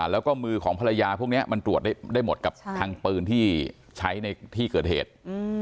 แล้วก็มือของภรรยาพวกนี้มันตรวจได้หมดกับทางปืนที่ใช้ในที่เกิดเหตุ